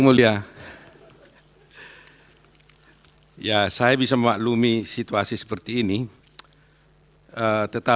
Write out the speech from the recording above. bahwa si rekap itu bukanlah menentukan hasil perhitungan suara